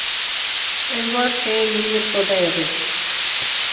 Edward G. Miller, Jr.